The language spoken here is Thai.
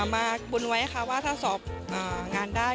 มาบุญไว้ค่ะว่าถ้าสอบงานได้